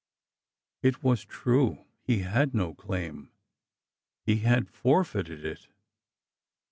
It was true ! He had no claim ! He had forfeited it